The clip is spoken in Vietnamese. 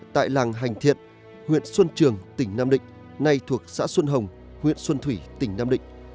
tại làng hành thiện huyện xuân trường tỉnh nam định nay thuộc xã xuân hồng huyện xuân thủy tỉnh nam định